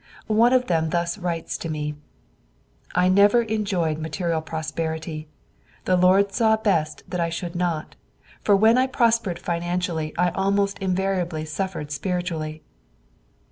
One of them thus writes to me: "I never enjoyed material prosperity. The Lord saw best that I should not; for when I prospered financially I almost invariably suffered spiritually."